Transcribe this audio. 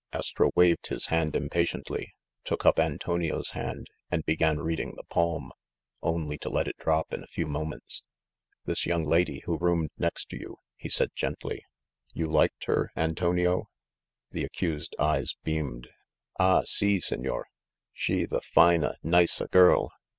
Astro waved his hand impatiently, took up Antonio's hand, and began reading the palm, only to let it drop in a few moments. "This young lady who roomed next to you," he said gently, — "you liked her, Antonio?" The accused's eyes beamed. "Ah, si, signor! She the fine a, nice a girl.